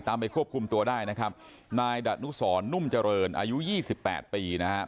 ตามไปควบคุมตัวได้นะครับนายดะนุสรนุ่มเจริญอายุ๒๘ปีนะครับ